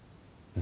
「何？